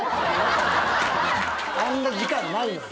あんな時間ないのよ。